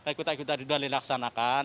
ikutan ikutan sudah dilaksanakan